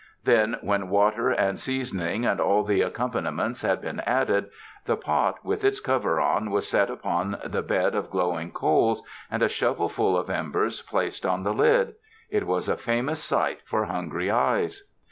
Then when water and seasoning and all the accom paniments had been added, the pot with its cover on was set upon the bed of glowing coals and a shovelful of embers placed on the lid. It was a famous sight for hungry eyes.